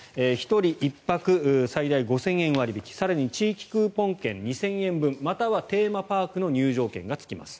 １人１泊最大５０００円割引更に地域クーポン券２０００円分またはテーマパークの入場券がつきます。